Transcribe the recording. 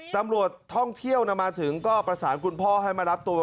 ตำรวจท่องเที่ยวมาถึงก็ประสานคุณพ่อให้มารับตัว